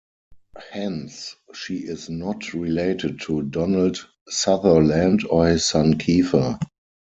Hence she is not related to Donald Sutherland or his son Kiefer.